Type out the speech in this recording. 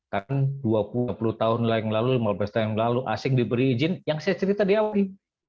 karena dua puluh tahun yang lalu lima belas tahun yang lalu asing diberi izin yang saya cerita diawi